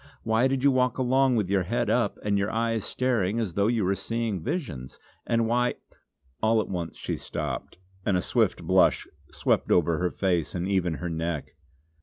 Why did you walk along with your head up and your eyes staring, as though you were seeing visions? And why " All at once she stopped, and a swift blush swept over her face and even her neck.